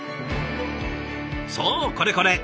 そうこれこれ。